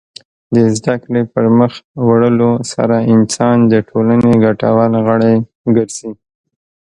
د زدهکړې پرمخ وړلو سره انسان د ټولنې ګټور غړی ګرځي.